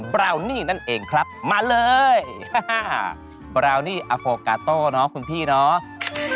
บราวนี่นั่นเองครับมาเลยบราวนี่อโฟกาโต้เนาะคุณพี่น้อง